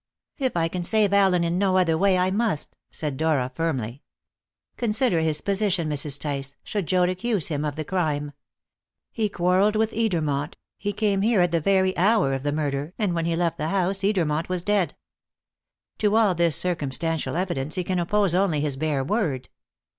"If I can save Allen in no other way, I must," said Dora firmly. "Consider his position, Mrs. Tice, should Joad accuse him of the crime! He quarrelled with Edermont, he came here at the very hour of the murder, and when he left the house Edermont was dead. To all this circumstantial evidence he can oppose only his bare word.